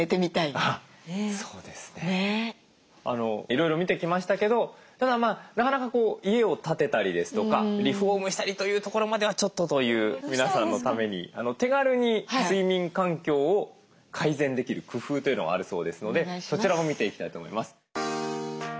いろいろ見てきましたけどただなかなか家を建てたりですとかリフォームしたりというところまではちょっとという皆さんのために手軽に睡眠環境を改善できる工夫というのがあるそうですのでそちらも見ていきたいと思います。